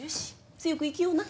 強く生きような。